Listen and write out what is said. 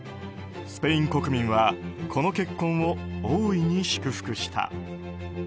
スペイン国民はこの結婚を大いに祝福した。